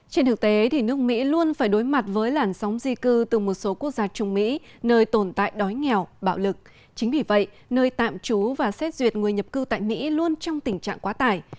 trên thực tế nước mỹ luôn phải đối mặt với làn sóng di cư từ một số quốc gia trung mỹ nơi tồn tại đói nghèo bạo lực chính vì vậy nơi tạm trú và xét duyệt người nhập cư tại mỹ luôn trong tình trạng quá tải